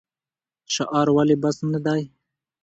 شعار ولې بس نه دی؟